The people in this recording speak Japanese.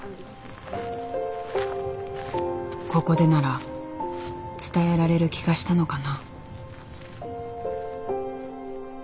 ここでなら伝えられる気がしたのかな。